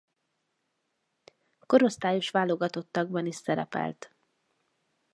Korosztályos válogatottakban is szerepelt.